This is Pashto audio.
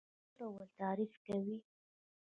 اداره څه ډول تعریف کوئ؟